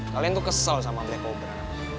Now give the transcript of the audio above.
kalian tuh kesel sama black kobra